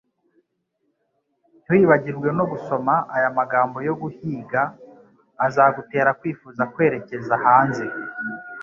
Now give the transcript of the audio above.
Ntiwibagirwe no gusoma aya magambo yo guhiga azagutera kwifuza kwerekeza hanze.